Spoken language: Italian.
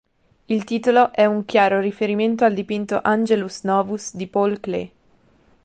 Il titolo è un chiaro riferimento al dipinto "Angelus Novus" di Paul Klee.